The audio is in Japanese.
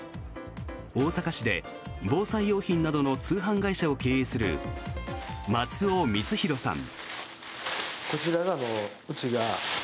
大阪市で防災用品などの通販会社を経営する松尾充泰さん。